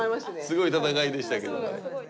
すごい戦いでしたけどね。